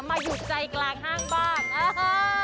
มาอยู่ใจกลางห้างบ้าง